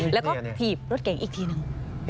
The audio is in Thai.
แล้วก็ถีบรถเก๋งอีกทีหนึ่ง